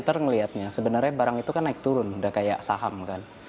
kita ngeliatnya sebenarnya barang itu kan naik turun udah kayak saham kan